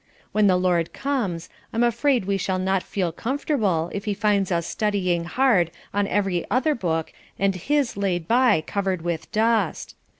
When the Lord comes, I'm afraid we shall not feel comfortable if he finds us studying hard on every other book and his laid by covered with dust.